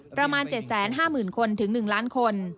ประมาณ๗๕๐๐๐คนถึง๑ล้านคน